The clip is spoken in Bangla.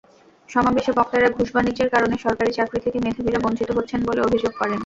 সমাবেশে বক্তারা ঘুষ-বাণিজ্যের কারণে সরকারি চাকরি থেকে মেধাবীরা বঞ্চিত হচ্ছেন বলে অভিযোগ করেন।